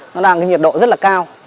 nó đang cái nhiệt độ rất là cao